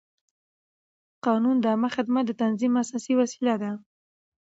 قانون د عامه خدمت د تنظیم اساسي وسیله ده.